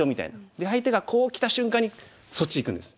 で相手がこうきた瞬間にそっちいくんです。